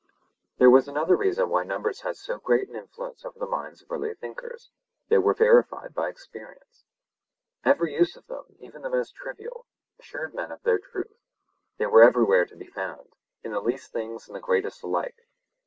There was another reason why numbers had so great an influence over the minds of early thinkers—they were verified by experience. Every use of them, even the most trivial, assured men of their truth; they were everywhere to be found, in the least things and the greatest alike.